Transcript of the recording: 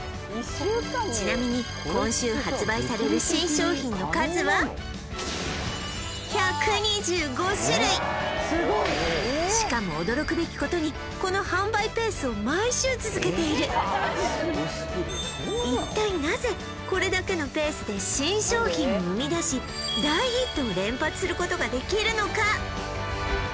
ちなみに今週発売される新商品の数はしかも驚くべきことにこの販売ペースを毎週続けている一体なぜこれだけのペースで新商品を生み出し大ヒットを連発することができるのか？